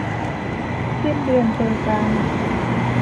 สิ้นเดือนเจอกัน